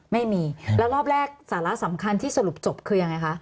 ไม่มีแล้วรอบแรกสาระสำคัญที่สรุปจบคือยังไงคะ